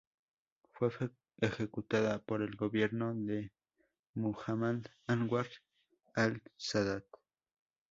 Fue ejecutada por el gobierno de Muhammad Anwar Al-Sadat.